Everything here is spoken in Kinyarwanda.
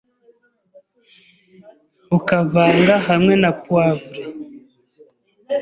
ukavanga hamwe na poivre,